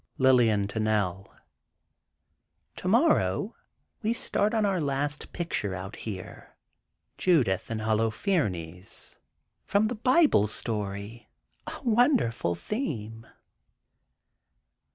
Lillian to Nell: Tomorrow we start on our last picture out here, "Judith and Holofernes," from the Bible story, a wonderful theme.